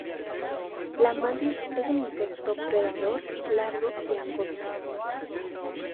La mantis es un insecto predador largo y angosto.